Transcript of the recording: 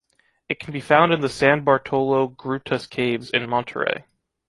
It can be found in the San Bartolo Grutas caves in Monterrey.